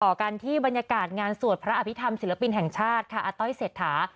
ต่อกันที่บรรยากาศงานสวดพระอภิษฐรรมศิลปินแห่งชาติค่ะอาต้อยเศรษฐา